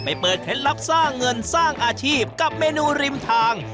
เปิดเคล็ดลับสร้างเงินสร้างอาชีพกับเมนูริมทาง